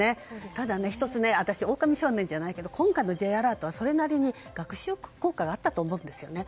ただ、１つ私、オオカミ少年じゃないけど今回のＪアラートはそれなりに学習効果があったと思うんですよね。